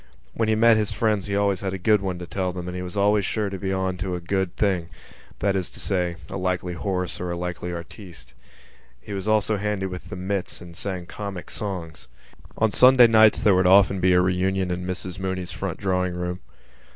When he met his friends he had always a good one to tell them and he was always sure to be on to a good thing—that is to say, a likely horse or a likely artiste. He was also handy with the mits and sang comic songs. On Sunday nights there would often be a reunion in Mrs Mooney's front drawing room.